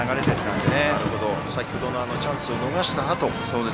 先程のチャンスを逃したあと。